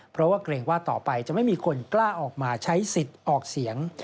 เพราะว่าเกรงว่าต่อไปจะไม่มีคนกล้าออกมาใช้สิทธิ์ออกเสียง